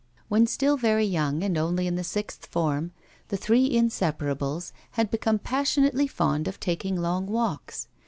When still very young, and only in the sixth form, the three inseparables had become passionately fond of taking long walks.